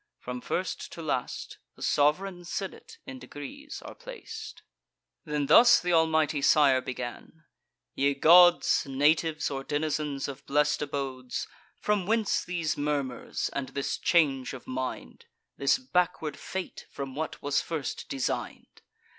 From first to last, The sov'reign senate in degrees are plac'd. Then thus th' almighty sire began: "Ye gods, Natives or denizens of blest abodes, From whence these murmurs, and this change of mind, This backward fate from what was first design'd?